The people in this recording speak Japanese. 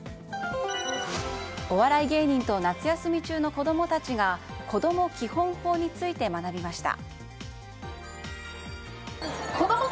お笑い芸人と夏休み中の子供たちがこども基本法について学びました。